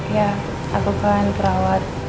ya aku kan perawat